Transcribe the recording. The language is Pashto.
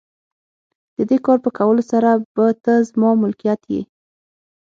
د دې کار په کولو سره به ته زما ملکیت یې.